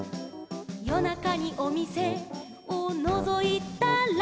「よなかにおみせをのぞいたら」